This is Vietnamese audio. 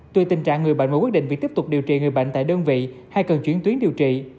tuy tình trạng người bệnh và quyết định việc tiếp tục điều trị người bệnh tại đơn vị hay cần chuyển tuyến điều trị